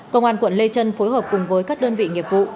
công an quận lê trân phối hợp cùng với các đơn vị nghiệp vụ